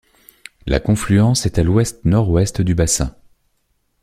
La confluence est à l'ouest-nord-ouest du bassin.